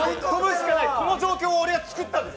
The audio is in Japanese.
この状況を自分で作ったんです。